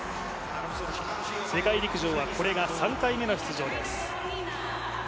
世界陸上はこれが３回目の出場です。